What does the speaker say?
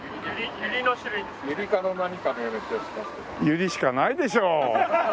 ユリしかないでしょう。